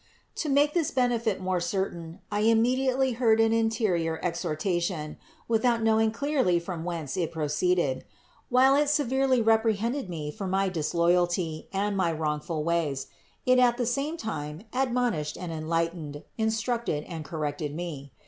13. To make this benefit more certain, I immediately heard an interior exhortation, without knowing clearly from whence it proceeded ; while it severely reprehended me for my disloyalty and my wrongful ways, it at the same time admonished and enlightened, instructed and corrected me.